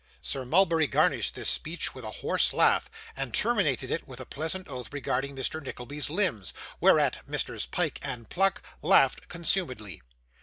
Sir Mulberry garnished this speech with a hoarse laugh, and terminated it with a pleasant oath regarding Mr. Nickleby's limbs, whereat Messrs Pyke and Pluck laughed consumedly.